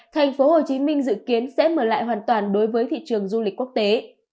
tp hcm dự kiến sẽ mở lại hoàn toàn đối với thị trường du lịch quốc tế